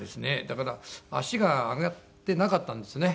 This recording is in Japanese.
だから足が上がってなかったんですね